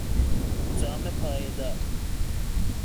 جام پایهدار